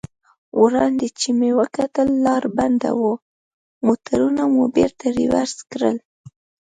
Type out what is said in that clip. وړاندې چې مو وکتل لار بنده وه، موټرونه مو بېرته رېورس کړل.